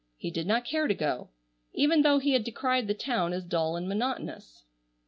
He did not care to go, even though he had decried the town as dull and monotonous.